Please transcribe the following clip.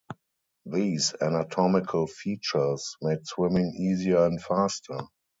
These anatomical features made swimming easier and faster.